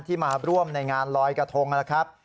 มาร่วมในงานลอยกระทงนะครับ